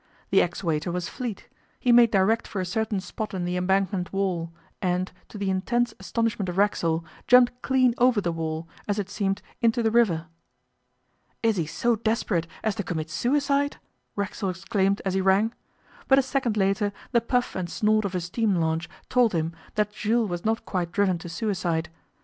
The ex waiter was fleet; he made direct for a certain spot in the Embankment wall, and, to the intense astonishment of Racksole, jumped clean over the wall, as it seemed, into the river. 'Is he so desperate as to commit suicide?' Racksole exclaimed as he ran, but a second later the puff and snort of a steam launch told him that Jules was not quite driven to suicide.